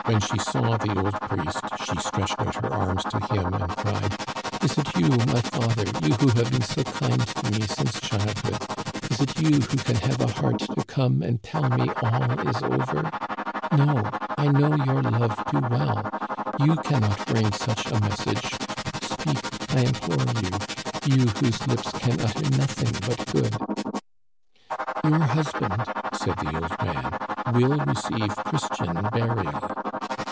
" When she saw the old priest she stretched out her arms to him and cried :" Is it you, my father, you who have been so kind to me since childhood ? Is it you who can have the heart to come and tell me all is over ? No, I know your love too well ; you can not bring such a message. Speak, I implore you, you whose lips can utter nothing but good !" "Your husband," said the old man, "will receive Christian burial."